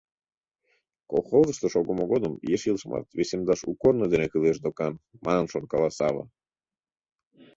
Колхозышто шогымо годым еш илышымат весемдаш у корно дене кӱлеш докан», — манын шонкала Сава.